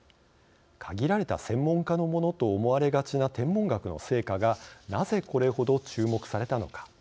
限られた専門家のものと思われがちな天文学の成果がなぜこれほど注目されたのか。